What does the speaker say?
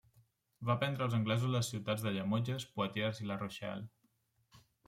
Va prendre als anglesos les ciutats de Llemotges, Poitiers i La Rochelle.